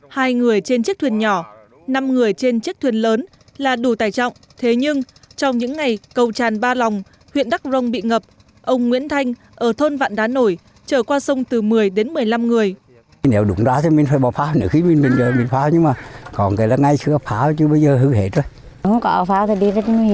hai người trên chiếc thuyền nhỏ năm người trên chiếc thuyền lớn là đủ tài trọng thế nhưng trong những ngày cầu tràn ba lòng huyện đắk rông bị ngập ông nguyễn thanh ở thôn vạn đá nổi trở qua sông từ một mươi đến một mươi năm người